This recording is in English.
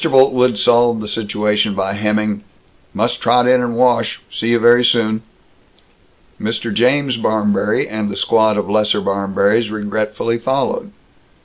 Boltwood solved the situation by hemming, "Must trot in and wash. See you very soon." Mr. James Barmberry and the squad of lesser Barmberrys regretfully followed.